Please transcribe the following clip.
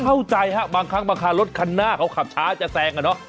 เข้าใจฮะบางครั้งบางคารถคันหน้าเขาขับช้าจะแซงอ่ะเนอะ